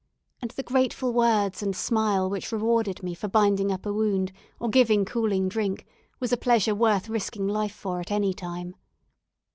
And the grateful words and smile which rewarded me for binding up a wound or giving cooling drink was a pleasure worth risking life for at any time.